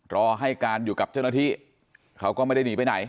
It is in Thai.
รอให้การอยู่กับเจ้าหน้าที่เขาก็ไม่ได้หนีไปไหน